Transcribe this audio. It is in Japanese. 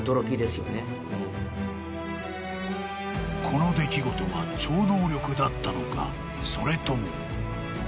［この出来事は超能力だったのかそれとも］